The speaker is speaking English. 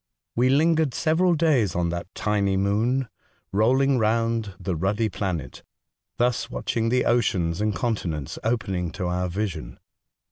We lingered several days on that tiny moon, rolling round the ruddy planet, thus watching the oceans and continents opening to our vision.